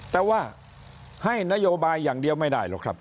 แต่ว่าให้นโยบายอย่างเดียวไม่ได้หรอกครับ